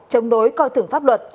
chống đối coi thưởng pháp luật